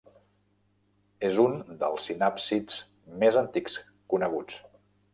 És un dels sinàpsids més antics coneguts.